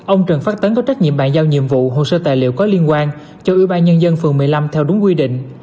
ông trần phát tấn có trách nhiệm bàn giao nhiệm vụ hồ sơ tài liệu có liên quan cho ủy ban nhân dân phường một mươi năm theo đúng quy định